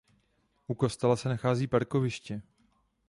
U kostela se nachází parkoviště.